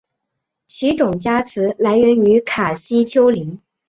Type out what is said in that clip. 其种加词来源于卡西丘陵。